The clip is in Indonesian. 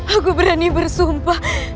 aku berani bersumpah